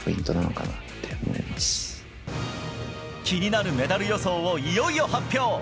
気になるメダル予想をいよいよ発表！